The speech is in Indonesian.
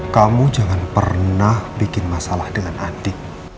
kamu jangan pernah bikin masalah dengan adik